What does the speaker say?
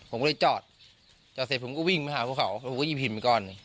ผมก็ได้จอดจอดเสร็จผมก็วิ่งไปหาพวกเขาแล้วผมก็หยิบพิมพ์ไปก้อน